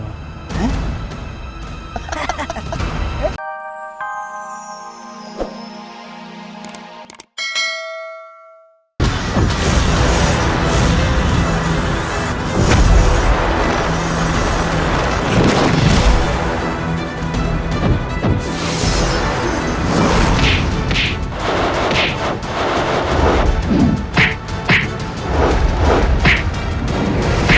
neng mau kembali ke temen temen kita